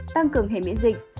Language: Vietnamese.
tăng cường hệ miễn dịch